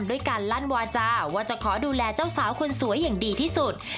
ด้วยการลั่นวาจาว่าจะขอดูแลเจ้าสาวคนสวยอย่างดีที่สุด